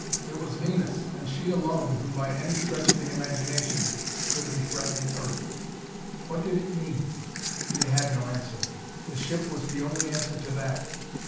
It was Venus, and she alone, who by any stretch of the imagination could be threatening Earth. What did it mean? They had no answer. The ship was the only answer to that.